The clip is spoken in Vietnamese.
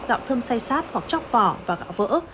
gạo thơm say sát hoặc chóc vỏ và gạo vỡ